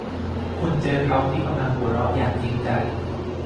คุณเจอเขาที่กำลังหัวเราะอย่างจริงใจ